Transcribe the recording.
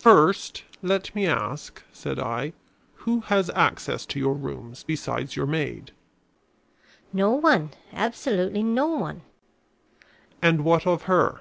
"First, let me ask," said I, "who has access to your rooms besides your maid?" "No one; absolutely no one." "And what of her?"